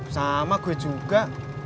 sama gue juga